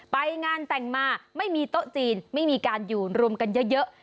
ไปงานแต่งมาไม่มีโต๊ะจีนไม่มีการอยู่รวมกันเยอะ